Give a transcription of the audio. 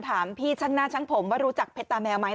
ถามพี่ช่างหน้าช่างผมว่ารู้จักเพชรตาแมวไหม